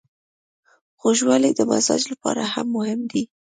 خوږوالی د مزاج لپاره هم مهم دی.